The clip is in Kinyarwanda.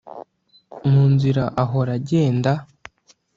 mu nzira ahora genda